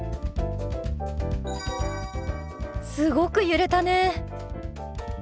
すごく揺れたね。